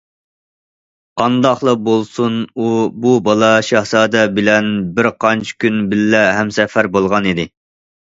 قانداقلا بولسۇن، ئۇ بۇ بالا شاھزادە بىلەن بىر قانچە كۈن بىللە ھەمسەپەر بولغانىدى.